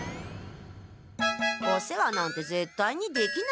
お世話なんてぜったいにできない。